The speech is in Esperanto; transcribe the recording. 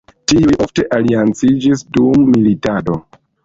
Tiuj ofte alianciĝis dum militado.